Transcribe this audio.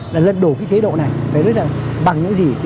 là lật đổ cái thế độ này phải đối tượng bằng những gì